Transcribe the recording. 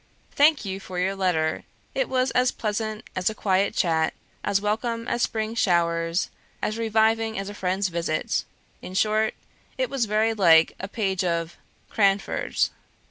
"Thank you for your letter; it was as pleasant as a quiet chat, as welcome as spring showers, as reviving as a friend's visit; in short, it was very like a page of 'Cranford.'